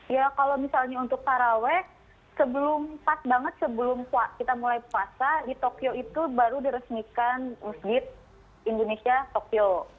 ya kalau misalnya untuk taraweh sebelum pas banget sebelum kita mulai puasa di tokyo itu baru diresmikan masjid indonesia tokyo